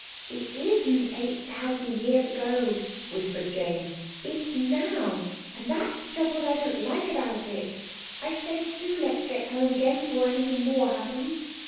"It isn't eight thousand years ago," whispered Jane. "It's now—and that's just what I don't like about it. I say, do let's get home again before anything more happens.